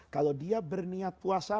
kalau dia berniat puasa